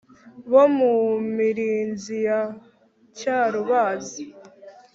bo mu mirinzi ya cyarubazi